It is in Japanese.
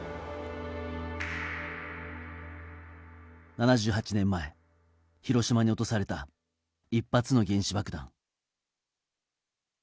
７８年前、広島に落とされた１発の原子爆弾。